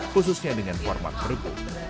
khususnya dengan format bergu